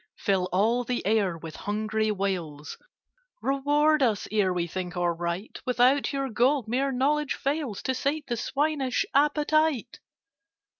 Fill all the air with hungry wails— "Reward us, ere we think or write! Without your Gold mere Knowledge fails To sate the swinish appetite!"